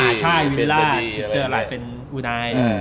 อ่าใช่วิลาร์เป็นอุนาย